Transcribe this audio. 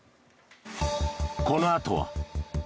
このあとは。